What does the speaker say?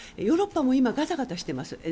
ヨーロッパも今ガタガタしています。